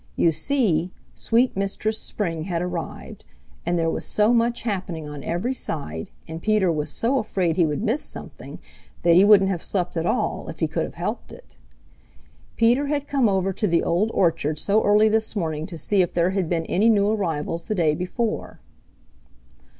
You see, sweet Mistress Spring had arrived, and there was so much happening on every side, and Peter was so afraid he would miss something, that he wouldn't have slept at all if he could have helped it. Peter had come over to the Old Orchard so early this morning to see if there had been any new arrivals the day before.